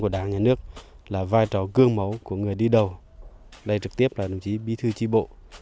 đây trực tiếp là đồng chí bí thư tri bộ